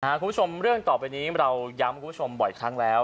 คุณผู้ชมเรื่องต่อไปนี้เราย้ำคุณผู้ชมบ่อยครั้งแล้ว